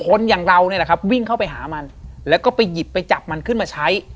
คนอย่างเราเนี่ยแหละครับวิ่งเข้าไปหามันแล้วก็ไปหยิบไปจับมันขึ้นมาใช้